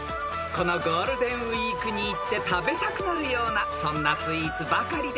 ［このゴールデンウィークに行って食べたくなるようなそんなスイーツばかりです］